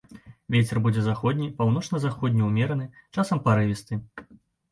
Вецер будзе заходні, паўночна-заходні ўмераны, часам парывісты.